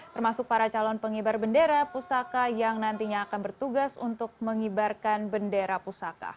termasuk para calon pengibar bendera pusaka yang nantinya akan bertugas untuk mengibarkan bendera pusaka